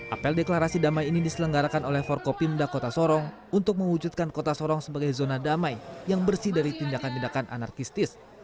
apel deklarasi damai ini diselenggarakan oleh forkopimda kota sorong untuk mewujudkan kota sorong sebagai zona damai yang bersih dari tindakan tindakan anarkistis